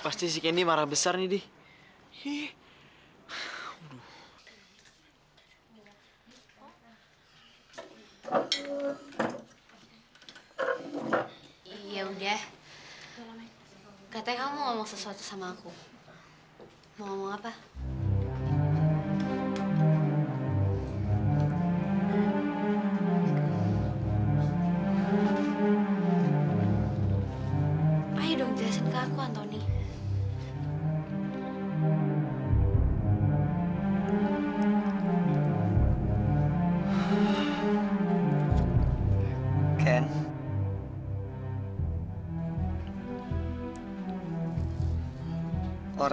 bagaimana dengan orang k picat nyari